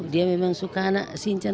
dia memang suka anak sincan